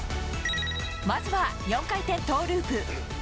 まずは４回転トウループ。